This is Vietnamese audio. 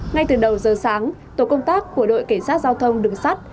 ngay từ đầu giờ sáng tổ công tác của đội cảnh sát giao thông đường sắt